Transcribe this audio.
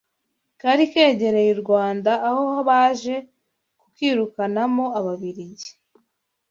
kari kegereye u Rwanda aho baje ku kirukanamo Ababiligi